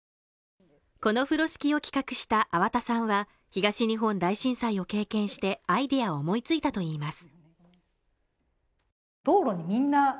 この風呂敷を企画した粟田さんは東日本大震災を経験してアイディアを思いついたといいます